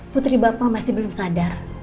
putri bapak masih belum sadar